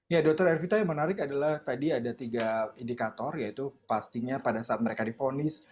ya dr ervita yang menarik adalah tadi ada tiga indikator yaitu pastinya pada saat mereka difonis